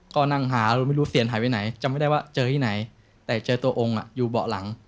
ก็นั่งหาไม่รู้เตียนหายไปไหนจำไม่ได้ว่าเจอที่ไหนแต่เจอตัวองค์อยู่เบาะหลัง